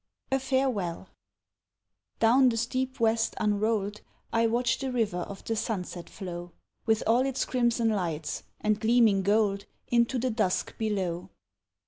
A FAREWELL Down the steep west unrolled, I watch the river of the sunset flow, With all its crimson lights, and gleaming gold, Into the dusk below.